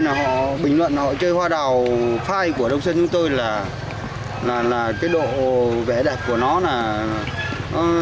họ bình luận họ chơi hoa đào phai của đông sơn chúng tôi là cái độ vẻ đẹp của nó là rất đầy đủ ý nghĩa